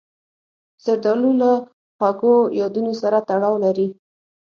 زردالو له خواږو یادونو سره تړاو لري.